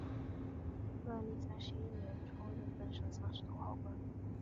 万历三十一年充任本省乡试同考官。